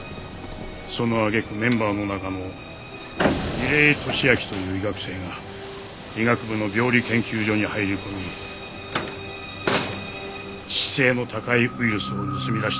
その揚げ句メンバーの中の楡井敏秋という医学生が医学部の病理研究所に入り込み致死性の高いウイルスを盗み出してしまった。